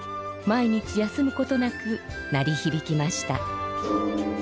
毎日休むことなく鳴りひびきました。